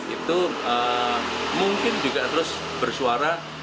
itu mungkin juga terus bersuara